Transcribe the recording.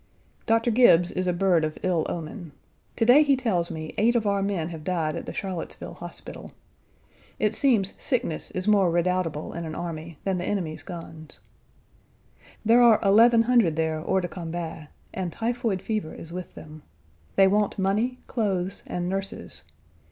Doctor Gibbes is a bird of ill omen. To day he tells me eight of our men have died at the Charlottesville Hospital. It seems sickness is more redoubtable in an army than the enemy's guns. There are 1,100 there hors de combat, and typhoid fever is with them. They want money, clothes, and nurses.